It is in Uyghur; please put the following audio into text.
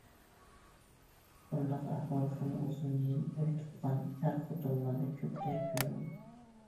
بۇنداق ئەھۋال خېلى ئۇزۇن يىل ئۆي تۇتقان ئەر- خوتۇنلاردا كۆپرەك كۆرۈلىدۇ.